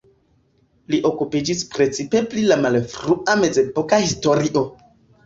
Li okupiĝis precipe pri la malfrua mezepoka historio.